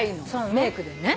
メークでね。